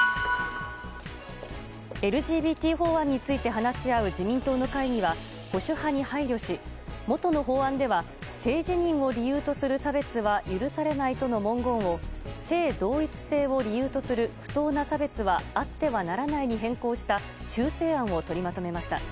ＬＧＢＴ法案について話し合う自民党の会議は保守派に配慮し、もとの法案では性自認を理由とする差別は許されないとの文言を性同一性を理由とする不当な差別はあってはならないに変更した修正案を取りまとめました。